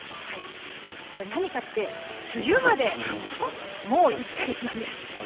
何かって、梅雨までもう１か月なんです。